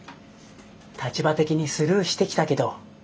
立場的にスルーしてきたけど分かるよ